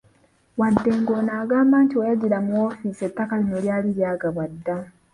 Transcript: Wadde ng'ono agamba nti we yajjira mu woofiisi ettaka lino lyali lyagabwa dda